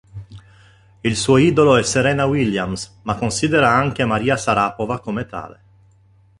Il suo idolo è Serena Williams, ma considera anche Marija Šarapova come tale.